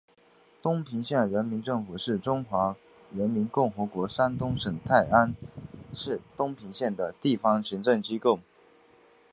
东平县人民政府是中华人民共和国山东省泰安市东平县的地方行政机构。